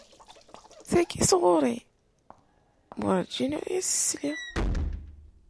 Tagi, sɣuṛ-i! Werǧin i yas-sliɣ.